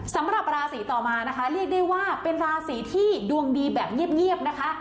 สำหรับราศีต่อมานะคะเรียกได้ว่าเป็นราศีที่ดวงดีแบบเงียบนะคะ